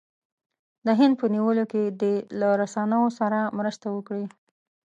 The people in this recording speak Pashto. د هند په نیولو کې دې له روسانو سره مرسته وکړي.